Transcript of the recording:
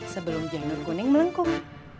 sebelum janggut kuning melengkung